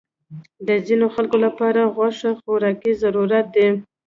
د ځینو خلکو لپاره غوښه خوراکي ضرورت دی.